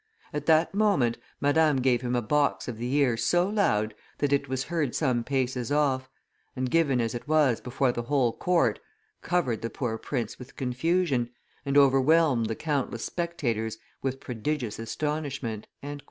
At that moment, Madame gave him a box of the ear so loud that it was heard some paces off, and given as it was before the whole court, covered the poor prince with confusion, and overwhelmed the countless spectators with prodigious astonishment."